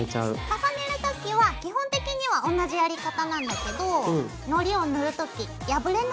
重ねる時は基本的には同じやり方なんだけどＯＫ！